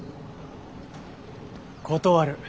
断る。